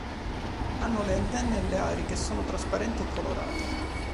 Hanno le antenne ed ali che sono trasparenti e colorate.